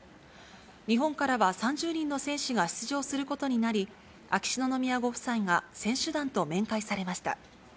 日本からは３０人の選手が出場することになり、秋篠宮ご夫妻が選手団と面会されました。